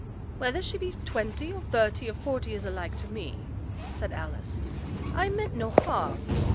'Whether she be twenty, or thirty, or forty, is alike to me,' said Alice. 'I meant no harm.